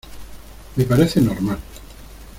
me parece normal.